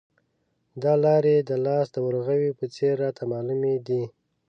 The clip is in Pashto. دا لارې د لاس د ورغوي په څېر راته معلومې دي.